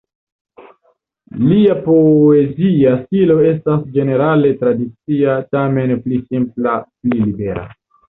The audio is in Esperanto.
Lia poezia stilo estas ĝenerale tradicia, tamen pli simpla, pli libera.